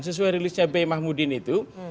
sesuai rilisnya b mahmudin itu